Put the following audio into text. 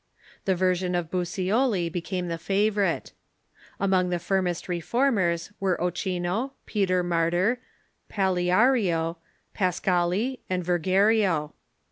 The version of Brucioli became the favorite. Among the firmest Reformers were Ochino, Peter Martyr, Paleario, Paschali, and Vergerio.